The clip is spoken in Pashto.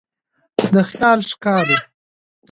د خیال ښکالو